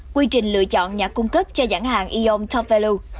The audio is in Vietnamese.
quy trình lựa chọn nhà cung cấp cho nhãn hàng eon top value